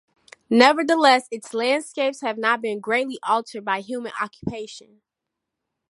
Nevertheless, its landscapes has not been greatly altered by human occupation.